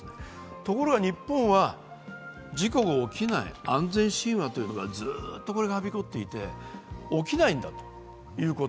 ところが日本は、事故が起きない安全神話というのがずっとはびこっていて、起きないんだということ。